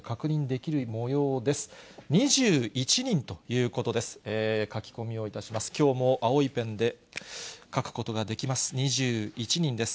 きょうも青いペンで書くことができます。